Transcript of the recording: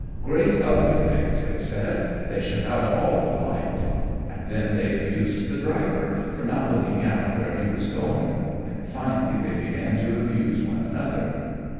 "Great ugly things," they said; "they shut out all the light." And then they abused the driver for not looking out where he was going, and finally they began to abuse one another.